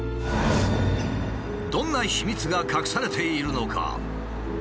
どんな秘密が隠されているのか？